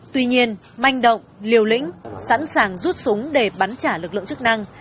tuy nhiên manh động liều lĩnh sẵn sàng rút súng để bắn trả lực lượng chức năng